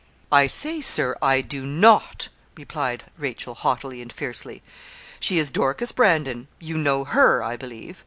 'I say, Sir, I do not,' replied Rachel, haughtily and fiercely. 'She is Dorcas Brandon; you know her, I believe.